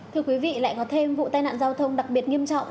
thưa quý vị lại có thêm vụ tai nạn giao thông đặc biệt nghiêm trọng